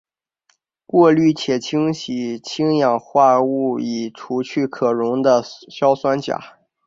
过滤且清洗氢氧化物以除去可溶的硝酸钾。